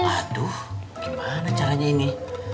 aduh gimana caranya ini